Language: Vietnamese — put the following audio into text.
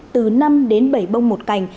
từ năm đến bảy bông một cành